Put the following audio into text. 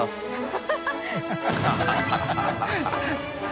ハハハ